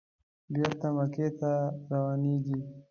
بېرته مکې ته روانېږي.